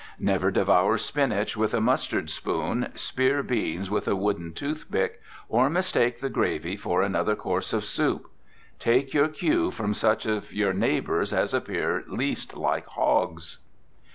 Never devour spinach with a mustard spoon, spear beans with a wooden tooth pick, or mistake the gravy for another course of soup. Take your cue from such of your neighbors as appear least like hogs.